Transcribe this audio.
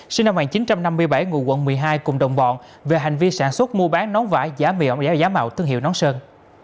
sinh năm một nghìn chín trăm năm mươi bảy ngụ quận một mươi hai cùng đồng bọn về hành vi sản xuất mua bán nón vải giá mị ổng giá mạo thương hiệu nón sơn